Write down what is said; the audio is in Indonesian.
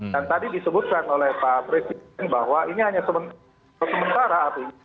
dan tadi disebutkan oleh pak presiden bahwa ini hanya sementara